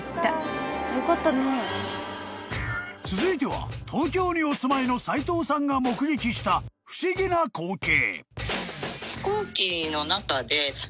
［続いては東京にお住まいの斎藤さんが目撃した不思議な光景］